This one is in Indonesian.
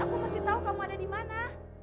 aku mesti tau kamu ada dimana